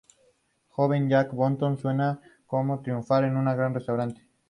El joven Jacky Bonnot sueña con triunfar en un gran restaurante.